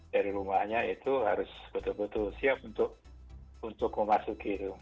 dari rumahnya itu harus betul betul siap untuk memasuki itu